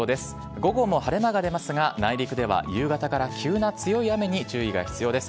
午後も晴れ間が出ますが、内陸では夕方から急な強い雨に注意が必要です。